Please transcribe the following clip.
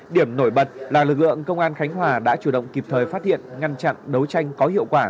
điểm nổi bật là lực lượng công an khánh hòa đã chủ động kịp thời phát hiện ngăn chặn đấu tranh có hiệu quả